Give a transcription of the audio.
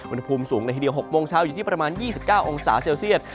อุณหภูมิสูงเลยทีเดียว๖โมงเช้าอยู่ที่ประมาณ๒๙องศาเซลเซียต